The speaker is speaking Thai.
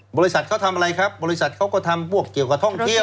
บริษัทเขาทำอะไรครับบริษัทเขาก็ทำพวกเกี่ยวกับท่องเที่ยว